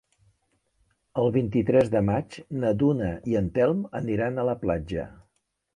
El vint-i-tres de maig na Duna i en Telm aniran a la platja.